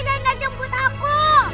dan gak jemput aku